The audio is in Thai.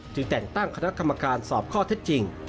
แต่งตั้งคณะกรรมการสอบข้อเท็จจริง